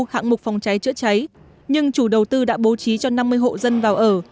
hạng mục phòng cháy chữa cháy nhưng chủ đầu tư đã bố trí cho năm mươi hộ dân vào ở